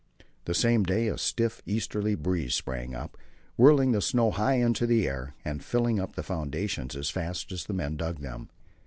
The same day a stiff easterly breeze sprang up, whirling the snow high into the air, and filling up the foundations as fast as the men dug them.